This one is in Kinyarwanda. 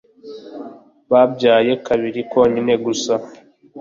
babyaye kabiri konyine gusa.